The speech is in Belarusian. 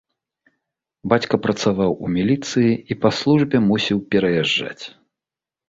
Бацька працаваў у міліцыі і па службе мусіў пераязджаць.